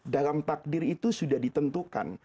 dalam takdir itu sudah ditentukan